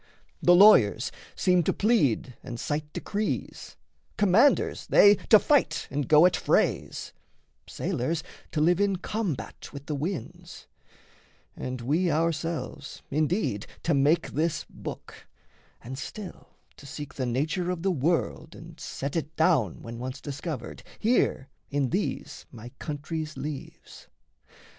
The lawyers seem to plead and cite decrees, Commanders they to fight and go at frays, Sailors to live in combat with the winds, And we ourselves indeed to make this book, And still to seek the nature of the world And set it down, when once discovered, here In these my country's leaves.